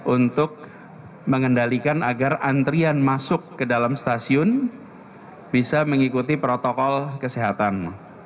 untuk mengendalikan agar antrian masuk ke dalam stasiun bisa mengikuti protokol kesehatan